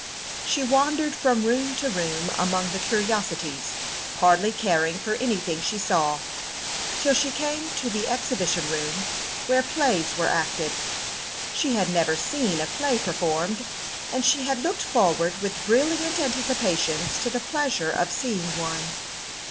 She wandered from room to room among the curiosities, hardly caring for anything she saw, till she came to the exhibition room, where plays were acted. She had never seen a play performed, and she had looked forward with brilliant anticipations to the pleasure of seeing one.